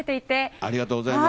ありがとうございます。